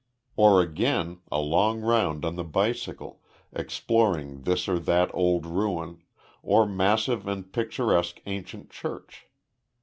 Or again, a long round on the bicycle, exploring this or that old ruin, or massive and picturesque ancient church.